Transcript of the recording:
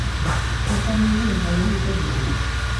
Zertan diren ezagutuko dugu.